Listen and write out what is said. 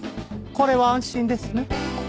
これは安心ですね。